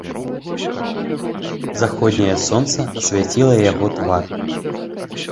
Заходняе сонца асвяціла яго твар.